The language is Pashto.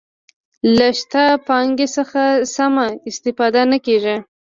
له شته پانګې څخه سمه استفاده نه کیږي.